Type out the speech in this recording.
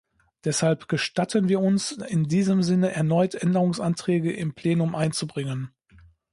Deshalb gestatten wir uns, in diesem Sinne erneut Änderungsanträge im Plenum einzubringen.